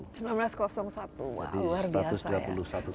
jadi satu ratus dua puluh satu tahun